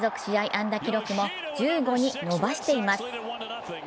安打記録も１５に伸ばしています。